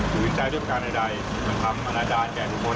สวัสดีครับ